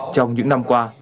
trong những năm qua